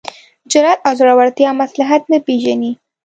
جرات او زړورتیا مصلحت نه پېژني.